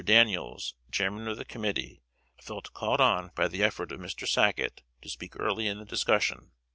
Daniels, Chairman of the committee, felt called on by the effort of Mr. Sacket to speak early in the discussion.